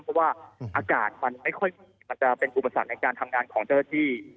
เพราะว่าอากาศมันไม่ค่อยมันจะเป็นอุปสรรคในการทำงานของเจ้าหน้าที่